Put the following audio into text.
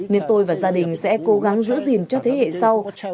nên tôi và gia đình sẽ cố gắng giữ gìn cho thế hệ sau